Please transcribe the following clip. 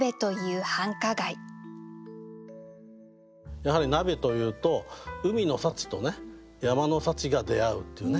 やはり鍋というと海の幸と山の幸が出会うっていうね。